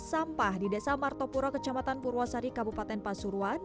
sampah di desa martopuro kecamatan purwosari kabupaten pasurwan